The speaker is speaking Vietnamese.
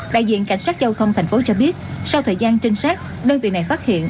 đại diện cảnh sát giao thông tp hcm cho biết sau thời gian trinh sát đơn vị này phát hiện